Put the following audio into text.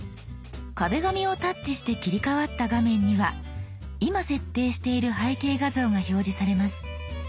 「壁紙」をタッチして切り替わった画面には今設定している背景画像が表示されます。